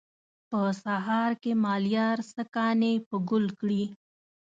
په سهار کې مالیار څه کانې په ګل کړي.